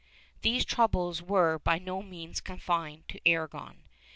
® These troubles were by no means confined to Aragon.